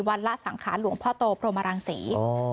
ละสังขารหลวงพ่อโตพรหมรังศรี